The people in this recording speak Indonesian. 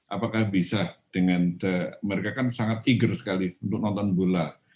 apakah bisa dengan mereka kan sangat tiger sekali untuk nonton bola